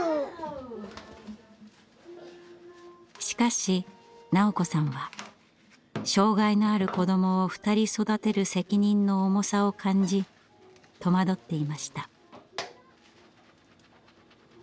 しかし斉子さんは障害のある子どもを２人育てる責任の重さを感じ戸惑っていました。